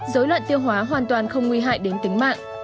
dối loạn tiêu hóa hoàn toàn không nguy hại đến tính mạng